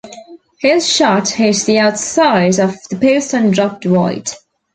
His shot hit the outside of the post and dropped wide.